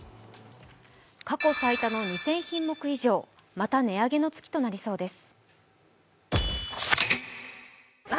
過去最多の２０００品目以上、また値上げの月となりそうです。